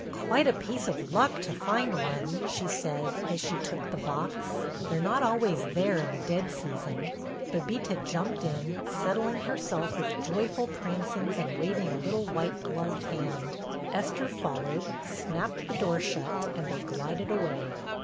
"Quite a piece of luck to find one," she said, as she took the box. "They're not always there in the dead season." Bébita jumped in, settling herself with joyful prancings and waving a little white gloved hand. Esther followed, snapped the door shut, and they glided away.